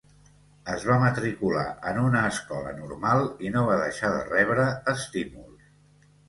Es va matricular en una escola normal i no va deixar de rebre estímuls.